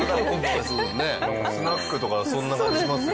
スナックとかそんな感じしますよね。